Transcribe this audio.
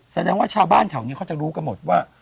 แสดงว่าชาวบ้านแถวนี้เขาจะรู้กันหมดว่า